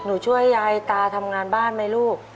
ช่วยยายตาทำงานบ้านไหมลูก